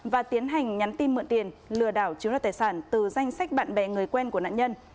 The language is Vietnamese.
và tiến hành nhắn tin mượn tiền lừa đảo chiếm đoạt tài sản từ danh sách bạn bè người quen của nạn nhân